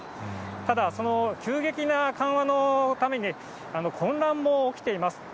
ただ、急激な緩和のために、混乱も起きています。